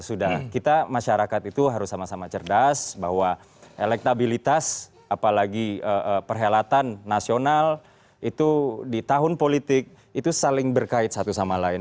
sudah kita masyarakat itu harus sama sama cerdas bahwa elektabilitas apalagi perhelatan nasional itu di tahun politik itu saling berkait satu sama lain